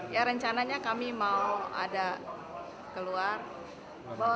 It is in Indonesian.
iya rencananya kami mau ada keluar bawa keluarga